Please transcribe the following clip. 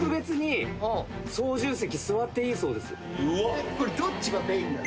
えっこれどっちがメインなの？